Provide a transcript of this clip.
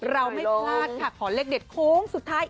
ไม่พลาดค่ะขอเลขเด็ดโค้งสุดท้าย